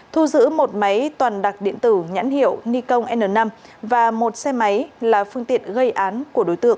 thu giữ một máy toàn đặc điện tử nhãn hiệu nikon n năm và một xe máy là phương tiện gây án của đối tượng